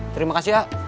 terima kasih ah